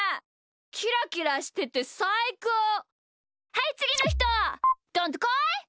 はいつぎのひとどんとこい！